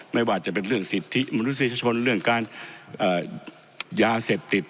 ไม่ว่าจะเป็นเรื่องสิทธิมนุษยชนเรื่องการยาเสพติด